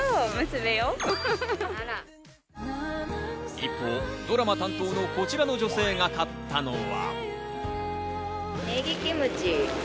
一方、ドラマ担当のこちらの女性が買ったのは。